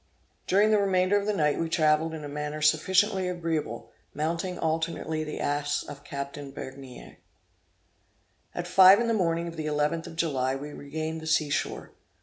During the remainder of the night, we travelled in a manner sufficiently agreeable, mounting alternately the ass of Captain Begnere. At five in the morning of the 11th of July we regained the sea shore.